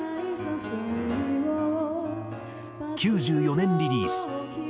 ９４年リリース『すき』。